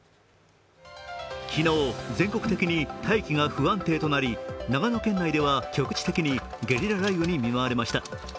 昨日、全国的に大気が不安定となり長野県内では局地的にゲリラ雷雨に見舞われました。